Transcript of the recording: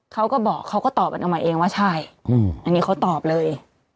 เขาก็บอกเขาก็ตอบกันออกมาเองว่าใช่อันนี้เขาตอบเลย